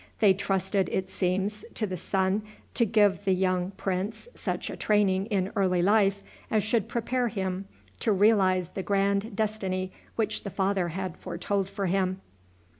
They trusted, it seems, to the son to give the young prince such a training in early life as should prepare him to realize the grand destiny which the father had foretold for him.